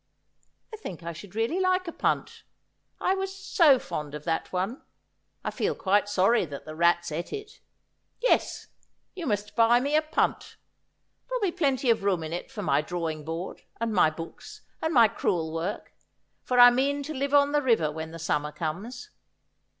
I think I should really like a punt. I was so fond of that one. I feel quite sorry that the rats ate it. Yes ; you must buy me a punt. There'll be plenty of room in it for my drawing board, and my books, and my crewel work ; for I mean to live on the river when the summer comes.